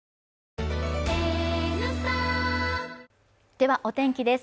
ではお天気です。